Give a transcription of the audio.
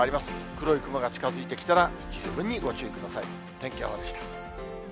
黒い雲が近づいてきたら、十分にご注意ください。